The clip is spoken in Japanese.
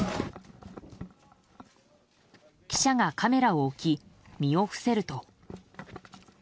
記者がカメラを置き身を伏せると。